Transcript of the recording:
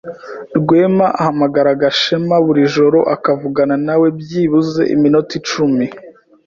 Rwema ahamagara Gashema buri joro akavugana nawe byibuze iminota icumi.